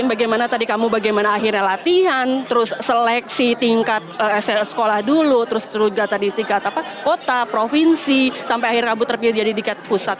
bagaimana tadi kamu bagaimana akhirnya latihan terus seleksi tingkat sekolah dulu terus seluruh kota provinsi sampai akhirnya kamu terpilih jadi dikat pusat